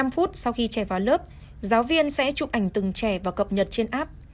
năm phút sau khi trẻ vào lớp giáo viên sẽ chụp ảnh từng trẻ và cập nhật trên app